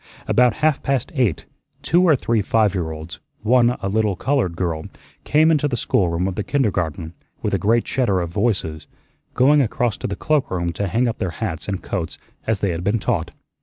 About half past eight, two or three five year olds, one a little colored girl, came into the schoolroom of the kindergarten with a great chatter of voices, going across to the cloakroom to hang up their hats and coats as they had been taught.